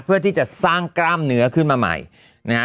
เพื่อที่จะสร้างกล้ามเนื้อขึ้นมาใหม่นะฮะ